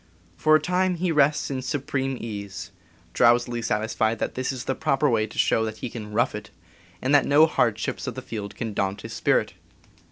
For a time he rests in supreme ease, drowsily satisfied that this is the proper way to show that he can "rough it," and that no hardships of the field can daunt his spirit.